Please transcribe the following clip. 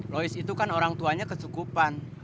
lois itu kan orang tuanya kecukupan